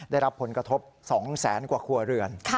ได้รับผลกระทบ๒๐๐๐๐๐กว่าครัวเหลือน